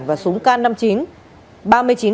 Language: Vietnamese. và súng can năm mươi chín